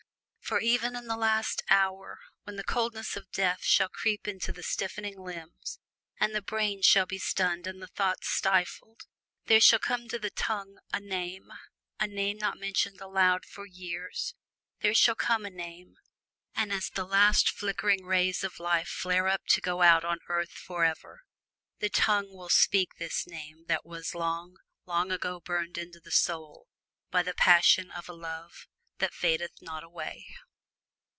For even in the last hour, when the coldness of death shall creep into the stiffening limbs, and the brain shall be stunned and the thoughts stifled, there shall come to the tongue a name, a name not mentioned aloud for years there shall come a name; and as the last flickering rays of life flare up to go out on earth forever, the tongue will speak this name that was long, long ago burned into the soul by the passion of a love that fadeth not away.